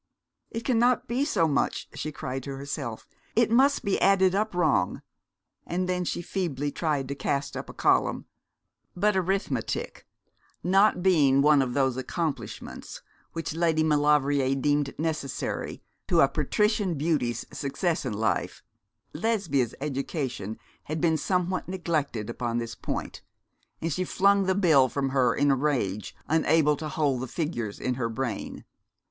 'It cannot be so much,' she cried to herself. 'It must be added up wrong;' and then she feebly tried to cast up a column; but arithmetic not being one of those accomplishments which Lady Maulevrier deemed necessary to a patrician beauty's success in life, Lesbia's education had been somewhat neglected upon this point, and she flung the bill from her in a rage, unable to hold the figures in her brain.